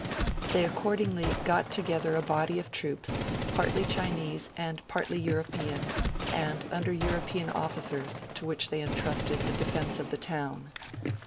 They accordingly got together a body of troops, partly Chinese and partly European, and under European officers, to which they entrusted the defence of the town.